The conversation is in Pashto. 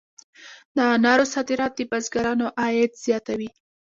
د انارو صادرات د بزګرانو عاید زیاتوي.